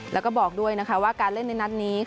แล้วก็บอกด้วยนะคะว่าการเล่นในนัดนี้